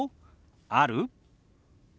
「ある？」。